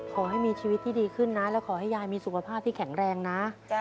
ขอให้มีชีวิตที่ดีขึ้นนะแล้วขอให้ยายมีสุขภาพที่แข็งแรงนะ